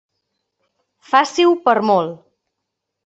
Faci-ho per molt.